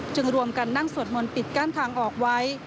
รวมกันนั่งสวดมนต์ปิดกั้นทางออกไว้